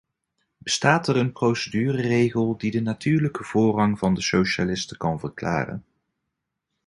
Bestaat er een procedureregel die de natuurlijke voorrang van de socialisten kan verklaren?